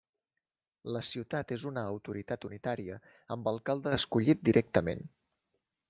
La ciutat és una autoritat unitària amb alcalde escollit directament.